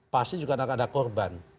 pasti juga akan ada korban